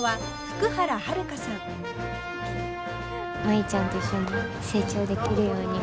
舞ちゃんと一緒に成長できるように。